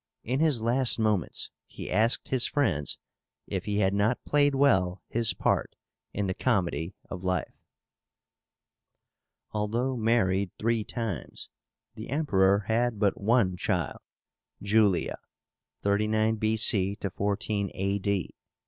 In his last moments he asked his friends if he had not played well his part in the comedy of life. Although married three times, the Emperor had but one child, JULIA (39 B.C. 14 A.D.)